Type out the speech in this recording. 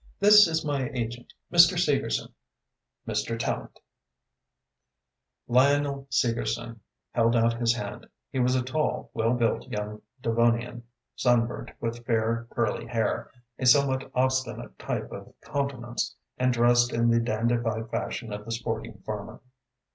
This is my agent, Mr. Segerson Mr. Tallente." Lionel Segerson held out his hand. He was a tall, well built young Devonian, sunburnt, with fair curly hair, a somewhat obstinate type of countenance, and dressed in the dandified fashion of the sporting farmer.